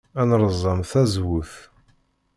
Ad nerẓem tazewwut.